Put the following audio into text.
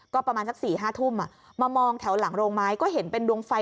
ก็ประมาณสัก๔๕ทุ่มมามองแถวหลังโรงไม้ก็เห็นเป็นดวงไฟ